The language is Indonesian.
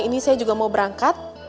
ini saya juga mau berangkat